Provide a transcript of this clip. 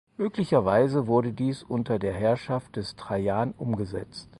Möglicherweise wurde dies unter der Herrschaft des Trajan umgesetzt.